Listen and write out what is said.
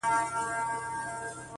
کله به بیرته کلي ته راسي -